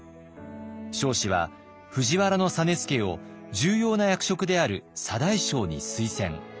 彰子は藤原実資を重要な役職である左大将に推薦。